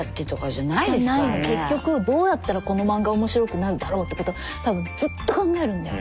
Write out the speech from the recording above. じゃないの結局どうやったらこの漫画面白くなるだろうってこと多分ずっと考えるんだよ